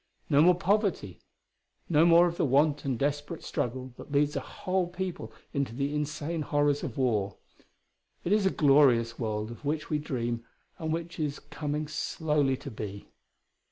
No more poverty; no more of the want and desperate struggle that leads a whole people into the insane horrors of war; it is a glorious world of which we dream and which is coming slowly to be....